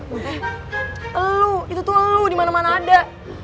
eh elu itu tuh elu dimana mana ada